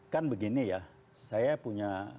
kan begini ya saya punya